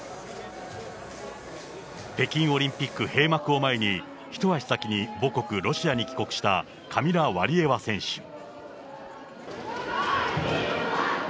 北京オリンピック閉幕を前に、一足先に母国、ロシアに帰国したカミラ・ワリエワ選手。